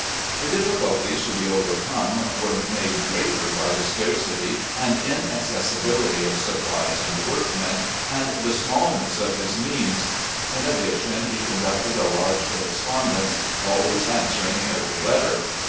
The difficulties to be overcome were made greater by the scarcity and inaccessibility of supplies and workmen and the smallness of his means. In addition, he conducted a large correspondence, always answering every letter.